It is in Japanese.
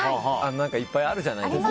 いっぱいあるじゃないですか。